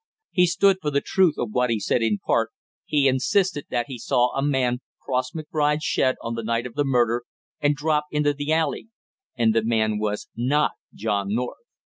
He stood for the truth of what he said in part, he insisted that he saw a man cross McBride's shed on the night of the murder and drop into the alley, and the man was not John North.